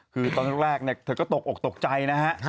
คือตอนแรกเธอก็ตกอกตกใจนะฮะ